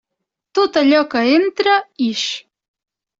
Tot allò que entra, ix.